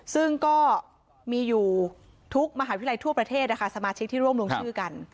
ซึ่งก็มีอยู่ทุกมหาวิทยาลัยทั่วประเทศนะคะสมาชิกที่ร่วมลงชื่อกัน